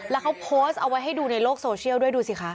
แล้วเขาโพสต์เอาไว้ให้ดูในโลกโซเชียลด้วยดูสิคะ